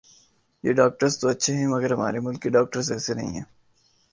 یہ ڈاکٹرز تو اچھے ھیں مگر ھمارے ملک کے ڈاکٹر ایسے نہیں ھیں